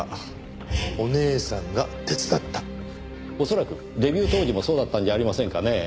恐らくデビュー当時もそうだったんじゃありませんかねぇ。